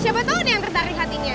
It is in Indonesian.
siapa tahu nih yang tertarik hatinya